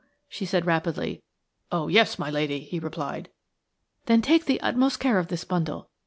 she said rapidly. "Oh, yes, my lady!" he replied. "Then take the utmost care of this bundle.